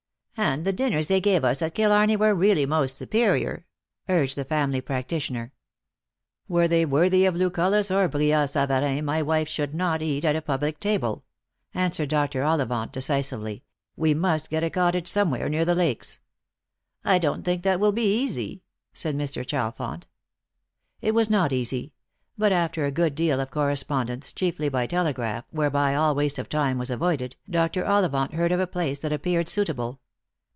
" And the dinners they gave us at Killarney were really most superior," urged the family prac titioner. " Were they worthy of Lucullus or Brillat Savarin, my wife should not eat at a public table," answered Dr. Ollivant de cisively. " We must get a cottage somewhere near the lakes." " I don't think that will be easy," said Mr. Chalfont. It was not easy; but after a good deal of correspondence, chiefly by telegraph, whereby all waste of time was avoided, Dr. Ollivant heard of a place that appeared suitable.